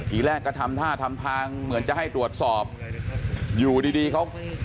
ทีแรกก็ทำท่าทำทางเหมือนจะให้ตรวจสอบอยู่ดีดีเขา